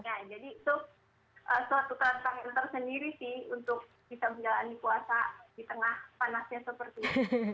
ya jadi itu suatu tantangan untuk sendiri sih untuk bisa berjalan di puasa di tengah panasnya seperti ini